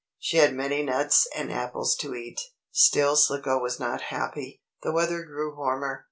She had many nuts and apples to eat. Still Slicko was not happy. The weather grew warmer.